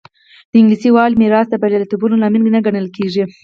د انګلیسي والي میراث د بریالیتوبونو لامل نه ګڼل کېږي.